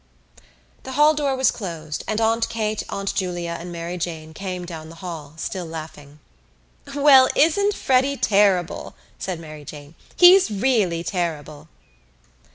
The hall door was closed; and Aunt Kate, Aunt Julia and Mary Jane came down the hall, still laughing. "Well, isn't Freddy terrible?" said Mary Jane. "He's really terrible."